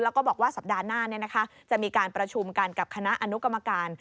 แล้วก็บอกว่าสัปดาห์หน้าจะมีการประชุมกันกับคณะอนุกรรมการ